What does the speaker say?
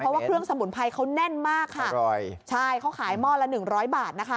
เพราะว่าเครื่องสมุนไพรเขาแน่นมากค่ะอร่อยใช่เขาขายหม้อละหนึ่งร้อยบาทนะคะ